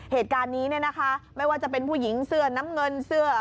เหตุการณ์นี้นะคะไม่ว่าจะเป็นผู้หญิงเสื้อน้ำเงิน